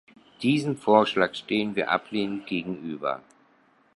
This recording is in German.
Diesem Vorschlag stehen wir ablehnend gegenüber.